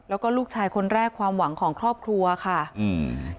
แล้วก็ลูกชายคนแรกความหวังของครอบครัวค่ะอืม